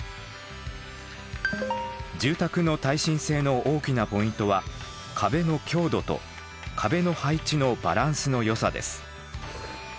住宅の耐震性の大きなポイントは壁の強度と壁の配置のバランスの良さです。